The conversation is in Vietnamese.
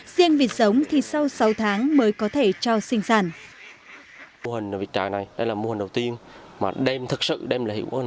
riêng vịt giống thì sau sáu tháng mới có thể cho sinh sản